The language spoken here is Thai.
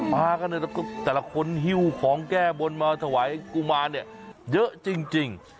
มากันแล้วก็แต่ละคนหิวของแก้บนมาถวายกุมานี่เยอะจริง